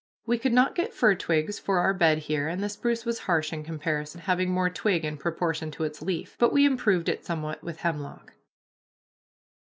We could not get fir twigs for our bed here, and the spruce was harsh in comparison, having more twig in proportion to its leaf, but we improved it somewhat with hemlock.